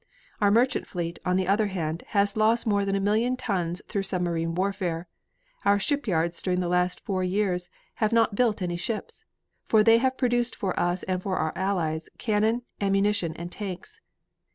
"Our merchant fleet, on the other hand, has lost more than a million tons through submarine warfare. Our shipyards during the last four years have not built any ships. For they have produced for us and for our allies cannon, ammunition, and tanks.